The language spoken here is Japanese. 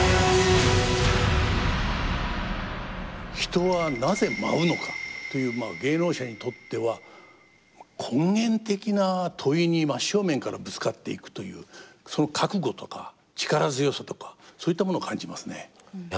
「人はなぜ舞うのか」という芸能者にとっては根源的な問いに真正面からぶつかっていくというその覚悟とか力強さとかそういったものを感じますね。